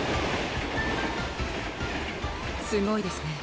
すごいですね。